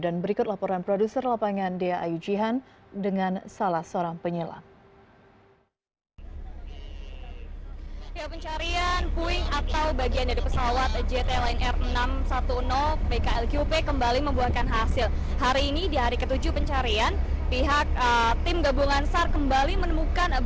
dan berikut laporan produser lapangan dea ayujihan dengan salah seorang penyelam